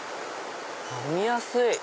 飲みやすい。